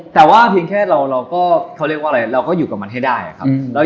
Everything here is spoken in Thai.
แต่ว่าเพียงแค่เราก็อยู่กับมันให้ได้ครับ